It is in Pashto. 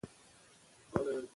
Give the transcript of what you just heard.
ګوته د نړۍ لپاره شاعر دی.